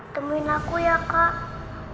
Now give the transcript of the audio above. temuin aku ya kak